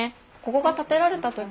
ここが建てられた時